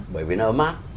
bởi vì nó ấm á